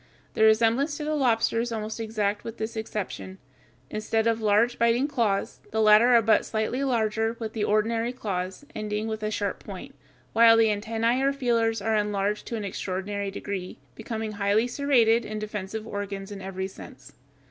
The resemblance to the lobster is almost exact with this exception: instead of large biting claws, the latter are but slightly larger than the ordinary claws, ending with a sharp point, while the antennæ or feelers are enlarged to an extraordinary degree, becoming highly serrated and defensive organs in every sense.